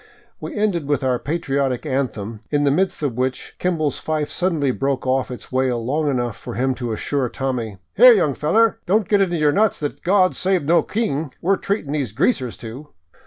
We ended with our patriotic anthem, in the midst of which Kimball's fife suddenly broke off its wail long enough for him to assure Tommy: " Here, young feller, don't get it into your nut that 's ' Gawd save no King ' we 're treatin' these greasers to